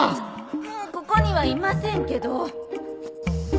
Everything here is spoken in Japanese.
もうここにはいませんけど